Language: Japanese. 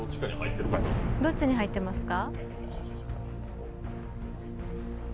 どっちに入ってますか？